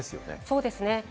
そうですね。